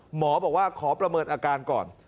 หมอบอกว่าขอประเมินอาการก่อน